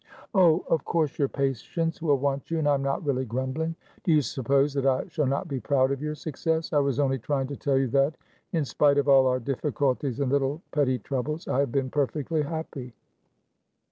"Oh, of course your patients will want you, and I am not really grumbling. Do you suppose that I shall not be proud of your success? I was only trying to tell you that, in spite of all our difficulties and little petty troubles, I have been perfectly happy."